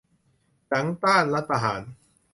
หลังต้านรัฐประหาร